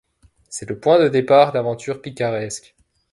C'est le point de départ d'aventures picaresques.